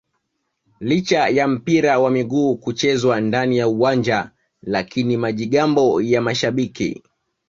licha ya mpira wa miguu kuchezwa ndani ya uwanja lakini majigambo ya mashabiki